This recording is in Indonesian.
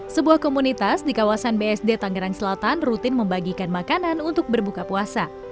sebuah komunitas di kawasan bsd tangerang selatan rutin membagikan makanan untuk berbuka puasa